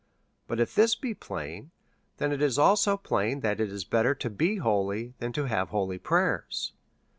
But if this be plain, then it is also plain, that it is better to be holy than to have holy prayers.